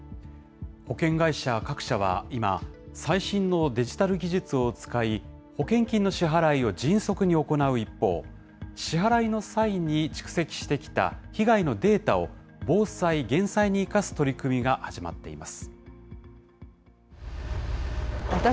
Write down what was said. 保険会社各社は今、最新のデジタル技術を使い、保険金の支払いを迅速に行う一方、支払いの際に蓄積してきた被害のデータを、防災・減災に生かす取り組みが始まっています。